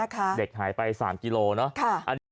นะคะเด็กหายไปสามกิโลเนอะค่ะ